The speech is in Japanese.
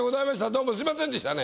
どうもすいませんでしたね。